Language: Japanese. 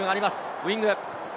ウイング。